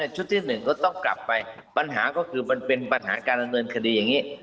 ที่หนึ่งก็ต้องกลับไปปัญหาก็คือมันเป็นปัญหาการดำเนินคดีอย่างนี้